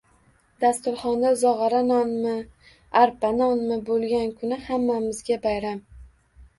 Dasturxonda zog‘ora nonmi, arpa nonmi bo‘lgan kuni hammamizga bayram.